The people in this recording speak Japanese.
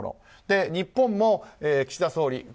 日本も、岸田総理。